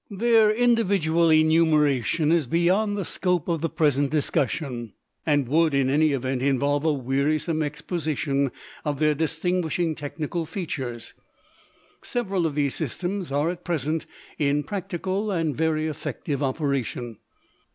Their individual enumeration is beyond the scope of the present discussion, and would in any event involve a wearisome exposition of their distinguishing technical features. Several of these systems are at present in practical and very effective operation.